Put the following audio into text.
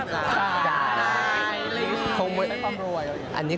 แบบใช่ใช่ใช่